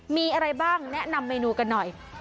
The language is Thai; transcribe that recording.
มีอะไรบ้างแนะนำเมนูกันหน่อย